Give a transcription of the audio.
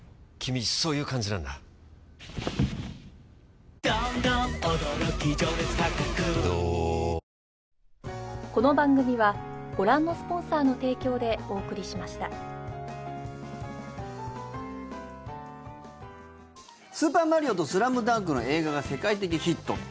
アサヒの緑茶「颯」「スーパーマリオ」と「ＳＬＡＭＤＵＮＫ」の映画が世界的ヒット。